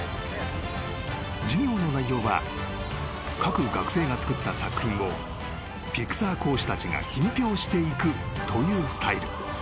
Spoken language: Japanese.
［授業の内容は各学生が作った作品をピクサー講師たちが品評していくというスタイル］